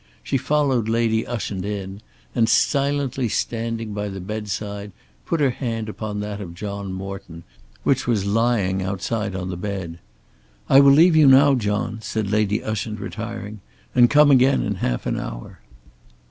She followed Lady Ushant in, and silently standing by the bedside put her hand upon that of John Morton which was laying outside on the bed. "I will leave you now, John," said Lady Ushant retiring, "and come again in half an hour."